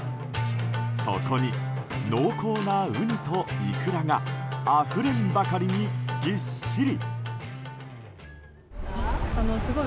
そこに、濃厚なウニとイクラがあふれんばかりにぎっしり！